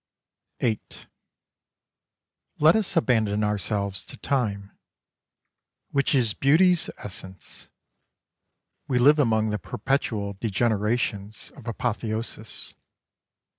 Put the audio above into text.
32 Beauty. VIII. Let us abandon ourselves to Time, which is beauty's essence. We live among the perpetual degenerations of apotheoses.